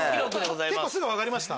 結構すぐ分かりました？